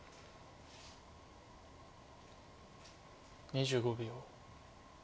２５秒。